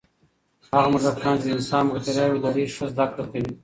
هغه موږکان چې د انسان بکتریاوې لري، ښه زده کړه کوي.